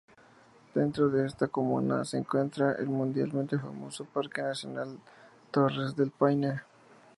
Dentro de esta comuna se encuentra el mundialmente famoso Parque nacional Torres del Paine.